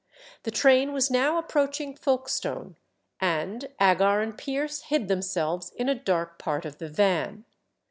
The train was now approaching Folkestone, and Agar and Pierce hid themselves in a dark part of the van.